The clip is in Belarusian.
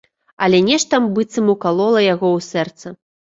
Але нешта быццам укалола яго ў сэрца.